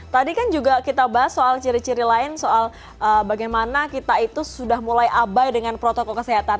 tadi kan juga kita bahas soal ciri ciri lain soal bagaimana kita itu sudah mulai abai dengan protokol kesehatan